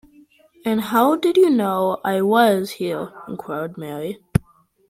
‘And how did you know I was here?’ inquired Mary.